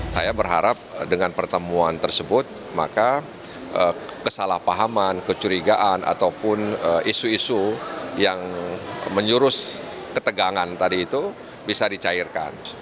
saya berharap dengan pertemuan tersebut maka kesalahpahaman kecurigaan ataupun isu isu yang menyurus ketegangan tadi itu bisa dicairkan